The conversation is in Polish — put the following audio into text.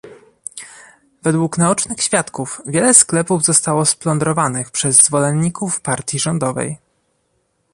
Według naocznych świadków, wiele sklepów zostało splądrowanych przez zwolenników partii rządowej